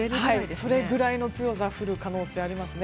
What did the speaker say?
それぐらいの強さで降る可能性がありますね。